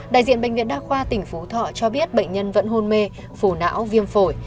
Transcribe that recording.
đại diện bệnh viện đa khoa tỉnh phú thọ cho biết bệnh nhân vẫn hôn mê phổ não viêm phổi